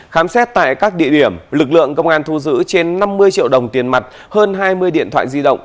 khám xét tại các địa điểm lực lượng công an thu giữ trên năm mươi triệu đồng tiền mặt hơn hai mươi điện thoại di động